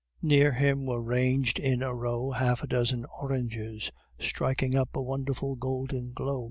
Near him were ranged in a row half a dozen oranges, strikin' up a wonderful golden glow.